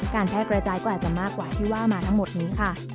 แพร่กระจายก็อาจจะมากกว่าที่ว่ามาทั้งหมดนี้ค่ะ